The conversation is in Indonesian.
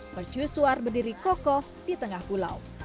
mercusuar berdiri kokoh di tengah pulau